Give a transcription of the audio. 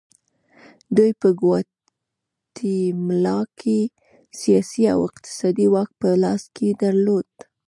دوی په ګواتیمالا کې سیاسي او اقتصادي واک په لاس کې درلود.